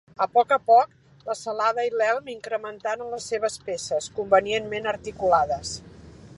A poc a poc, la celada i l'elm incrementaren les seves peces, convenientment articulades.